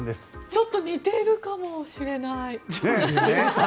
ちょっと似てるかもしれない。